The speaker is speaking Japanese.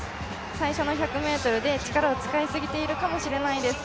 最初の１００ｍで力を使いすぎているかもしれないです。